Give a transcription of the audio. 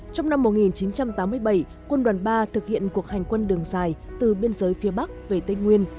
trong năm một nghìn chín trăm tám mươi bảy quân đoàn ba thực hiện cuộc hành quân đường dài từ biên giới phía bắc về tây nguyên